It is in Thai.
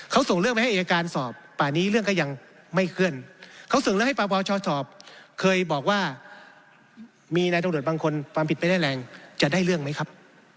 เขาส่งเรื่องมาให้เอกระการสอบ